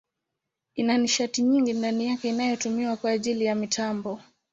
Ina nishati nyingi ndani yake inayotumiwa kwa njia ya mitambo.